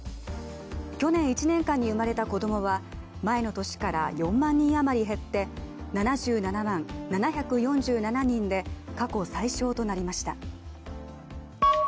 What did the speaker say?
去年１年間に生まれた子供は前の年から４万人あまり減って７７万７４７人で、過去最少となりました。